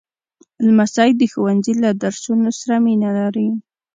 لمسی د ښوونځي له درسونو سره مینه لري.